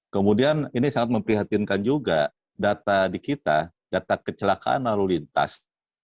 kemudian ini sangat memprihatinkan juga data di kita data kecelakaan lalu lintas